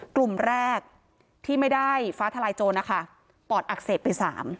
กลุ่มแรกที่ไม่ได้ฟ้าทลายโจรนะคะปอดอักเสบไป๓